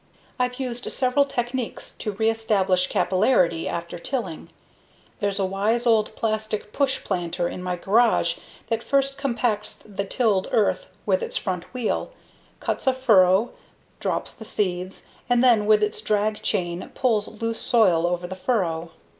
I've used several techniques to reestablish capillarity after tilling. There's a wise old plastic push planter in my garage that first compacts the tilled earth with its front wheel, cuts a furrow, drops the seed, and then with its drag chain pulls loose soil over the furrow.